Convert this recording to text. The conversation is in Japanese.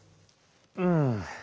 うん。